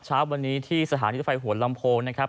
เช้าวันนี้ที่สถานีรถไฟหัวลำโพงนะครับ